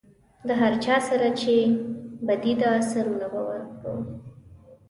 د هر چا سره چې بدي ده سرونه به ورکړو.